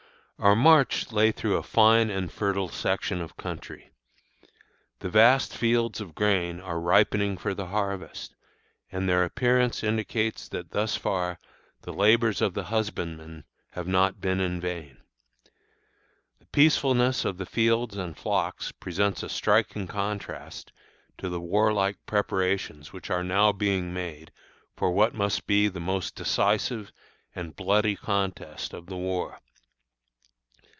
Our march lay through a fine and fertile section of country. The vast fields of grain are ripening for the harvest, and their appearance indicates that thus far the labors of the husbandman have not been in vain. The peacefulness of the fields and flocks presents a striking contrast to the warlike preparations which are now being made for what must be the most decisive and bloody contest of the war.